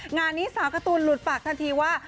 งานนี้สาวการ์ตูนหลุดปากทันทีว่า